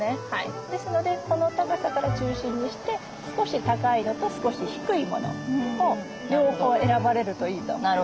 ですのでこの高さから中心にして少し高いのと少し低いものを両方選ばれるといいと思います。